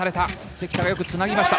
関田がよくつなぎました。